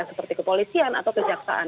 seperti kepolisian atau kejaksaan